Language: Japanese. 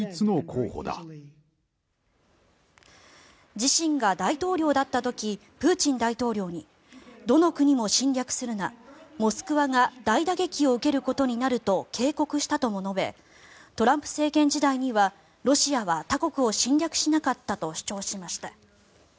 自身が大統領だった時プーチン大統領にどの国も侵略するなモスクワが大打撃を受けることになると警告したとも述べトランプ政権時代にはロシアは他国を侵略しなかったと主張しました。